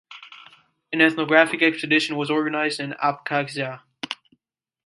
An ethnographic expedition was organized in Abkhazia.